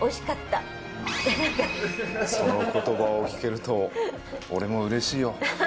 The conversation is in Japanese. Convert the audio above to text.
その言葉を聞けると俺もうれしいよ。